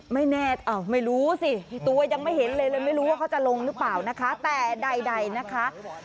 ไม่แน่อ้าวไม่รู้สิตัวยังไม่เห็นเลยเลยไม่รู้ว่าเขาจะลงหรือเปล่านะคะแต่ใดนะคะ